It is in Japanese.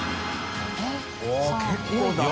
結構だな。